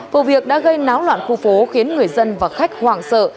vụ việc đã gây náo loạn khu phố khiến người dân và khách hoảng sợ